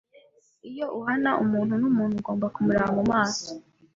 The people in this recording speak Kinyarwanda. Iyo uhana umuntu numuntu, ugomba kumureba mumaso.